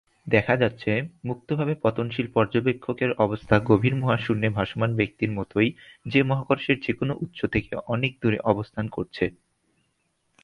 দেখা যাচ্ছে, মুক্তভাবে পতনশীল পর্যবেক্ষকের অবস্থা গভীর মহাশূন্যে ভাসমান ব্যক্তির মতই যে মহাকর্ষের যেকোন উৎস থেকে অনেক দূরে অবস্থান করেছে।